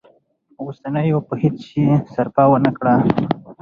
اوسنيو په هیڅ شي سرپه ونه کړه.